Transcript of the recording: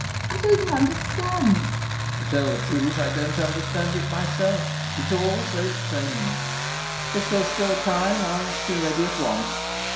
I don't understand! LOPAKHIN. To tell the truth, I don't understand it myself. It's all so strange.... If there's still time, I'll be ready at once...